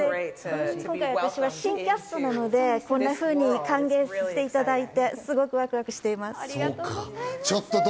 私は新キャストなので、こんなふうに歓迎していただいて、すごくワクワクしています。